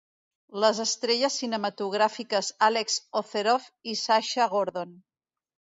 Les estrelles cinematogràfiques Alex Ozerov i Sasha Gordon.